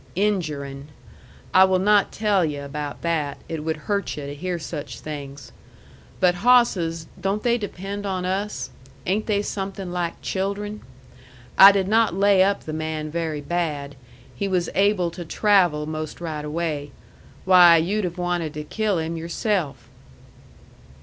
"Injurin.' I will not tell yu' about that. It would hurt yu' to hear such things. But hawsses don't they depend on us? Ain't they somethin' like children? I did not lay up the man very bad. He was able to travel 'most right away. Why, you'd have wanted to kill him yourself!"